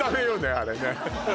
あれね